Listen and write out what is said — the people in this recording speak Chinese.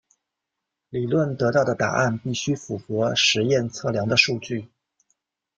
理论得到的答案必须符合实验测量的数据。